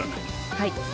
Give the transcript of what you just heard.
はい。